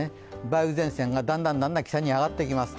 梅雨前線がだんだん北に上がっていきます。